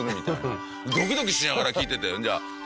ドキドキしながら聞いてて。